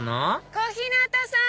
小日向さん！